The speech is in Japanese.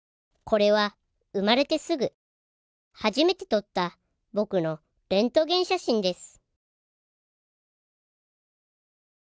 これは生まれてすぐ初めて撮った僕のレントゲン写真です